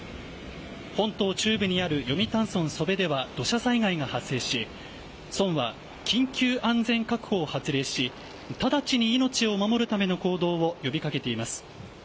本島中部にある読谷村楚辺では土砂災害が発生し村は緊急安全確保発令し直ちに命を守るための行動を呼び掛けています。